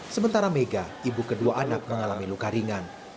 sementara mega ibu kedua anak mengalami luka ringan